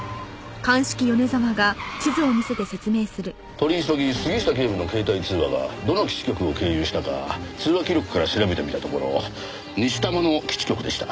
取り急ぎ杉下警部の携帯通話がどの基地局を経由したか通話記録から調べてみたところ西多摩の基地局でした。